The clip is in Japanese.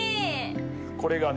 これがね。